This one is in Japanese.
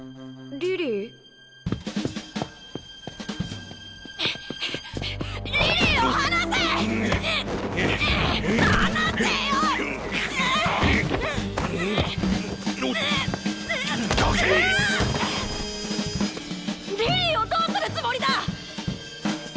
リリーをどうするつもりだ！